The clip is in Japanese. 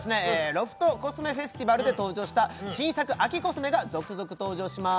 ロフトコスメフェスティバルで登場した新作秋コスメが続々登場します